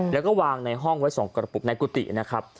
แล้วก็วางในห้องไว้๒กระปุกในกุฏินะครับ